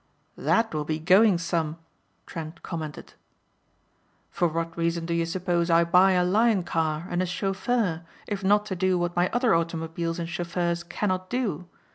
"That will be going some!" Trent commented. "For what reason do you suppose I buy a Lion car and a chauffeur if not to do what my other automobiles and chauffeurs cannot do?